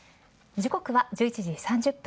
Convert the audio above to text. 時刻は午前１１時３０分。